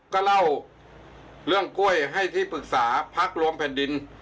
ก็เล่าเรื่องกล้วยให้ที่ปรึกษาพักรวมแผ่นดิน